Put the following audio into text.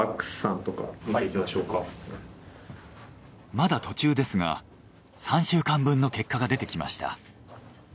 まだ途中ですが３週間分の結果が出てきました。